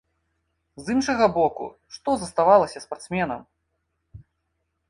З іншага боку, што заставалася спартсменам?